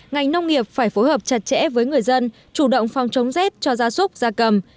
ngành nông nghiệp phải phối hợp chặt chẽ với người dân chủ động phòng chống rét cho gia súc gia cầm